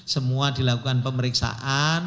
semua dilakukan pemeriksaan